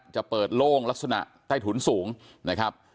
จะเปิดโล่งลักษณะใต้ถุนสูงนะครับ